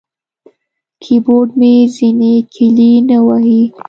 کیبورډ مې ځینې کیلي نه وهي.